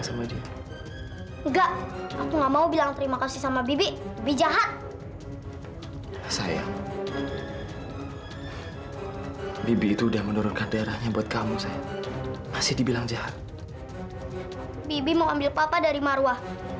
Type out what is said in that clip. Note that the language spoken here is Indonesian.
suma kamu apaan sih lepasin marwa